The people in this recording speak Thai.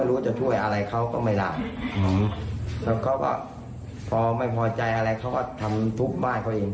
แล้วเขาก็พอไม่พอใจอะไรเขาก็ทำทุกข์บ้านเขาเอง